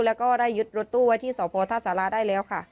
แล้วก็ได้ยึดรถตู้ไว้ที่สพท่าสาราได้แล้วค่ะ